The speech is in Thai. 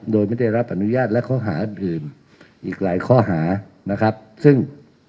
โดยไม่ได้รับอนุญาตและข้อหาอื่นอีกหลายข้อหานะครับซึ่ง